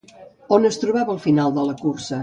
On es trobava el final de la cursa?